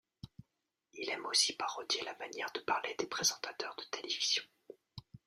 Il aime aussi parodier la manière de parler des présentateurs de télévision.